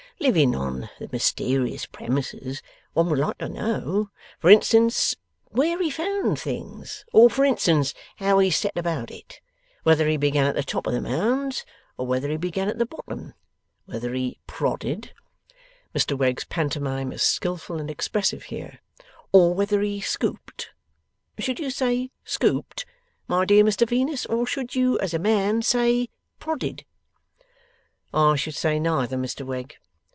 Living on the mysterious premises, one would like to know. For instance, where he found things? Or, for instance, how he set about it? Whether he began at the top of the mounds, or whether he began at the bottom. Whether he prodded'; Mr Wegg's pantomime is skilful and expressive here; 'or whether he scooped? Should you say scooped, my dear Mr Venus; or should you as a man say prodded?' 'I should say neither, Mr Wegg.